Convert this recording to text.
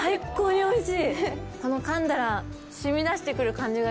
おいしい。